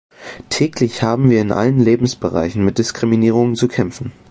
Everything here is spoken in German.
Täglich haben wir in allen Lebensbereichen mit Diskriminierungen zu kämpfen.